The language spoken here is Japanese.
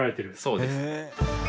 そうですね。